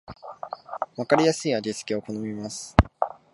わかりやすい味付けを好みます